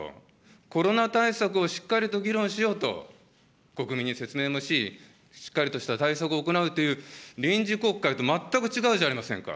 コロナ対策をしっかりと議論しようと国民に説明もし、しっかりとした対策を行うという、臨時国会と全く違うじゃありませんか。